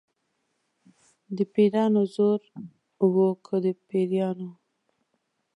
د پیرانو زور و که د پیریانو.